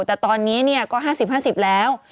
แต่ตอนนี้ก็๕๐๕๐แล้ว